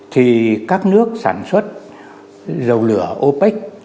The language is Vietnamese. thì các nước sản xuất dầu lửa opec